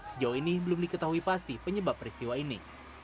sejauh ini belum diketahui pasti penyebab peristiwa ini